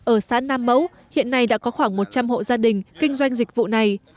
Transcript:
ở xã nam mẫu hiện nay đã có khoảng một trăm linh hộ gia đình kinh doanh dịch vụ này